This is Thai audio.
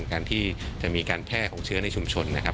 การที่จะมีการแพร่ของเชื้อในชุมชนนะครับ